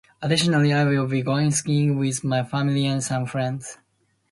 Additionally, I will be going skiing with my family and some friends.